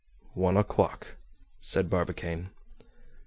"One o'clock," said Barbicane.